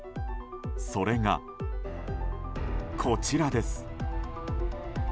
それが、こちらです。